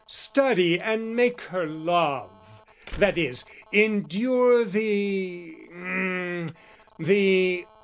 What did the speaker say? "Study and make her love...that is, endure "The...hem!